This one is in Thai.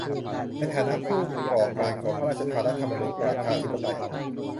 ในฐานะผู้ก่อการขอพระราชทานรัฐธรรมนูญประชาธิปไตย